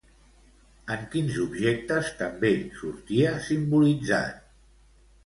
En quins objectes també sortia simbolitzat?